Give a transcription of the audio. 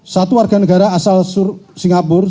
satu warga negara asal singapura